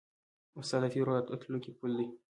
استاد د تېر او راتلونکي پل دی.